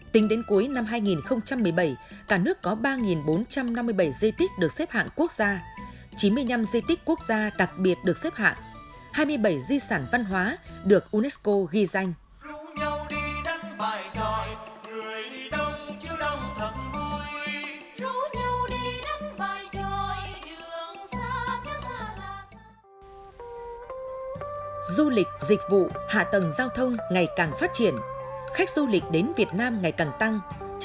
tính đến cuối năm hai nghìn một mươi bảy cả nước có ba bốn trăm năm mươi bảy di tích được xếp hạng quốc gia chín mươi năm di tích quốc gia đặc biệt được xếp hạng hai mươi bảy di sản văn hóa được unesco ghi danh